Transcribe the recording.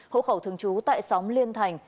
hộ khẩu thường trú tại xóm liên thành